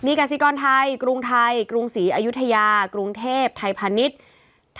กสิกรไทยกรุงไทยกรุงศรีอยุธยากรุงเทพไทยพาณิชย์